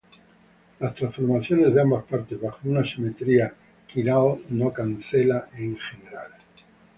Las transformaciones de ambas partes bajo una simetría quiral no cancela en general.